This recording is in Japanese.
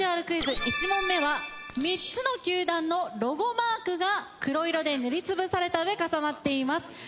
クイズ１問目は３つの球団のロゴマークが黒色で塗り潰されたうえ重なっています。